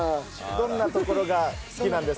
どんなところが好きなんですか？